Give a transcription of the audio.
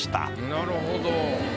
なるほど。